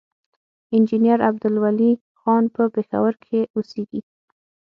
انجينير عبدالولي خان پۀ پېښور کښې اوسيږي،